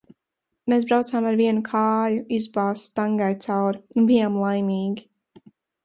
Mēs braucām ar vienu kāju izbāztu stangai cauri un bijām laimīgi.